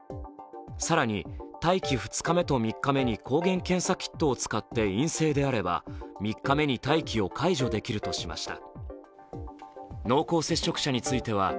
更に待機２日目と３日目に抗原検査キットを使って陰性であれば３日目に待機を解除できるとしました。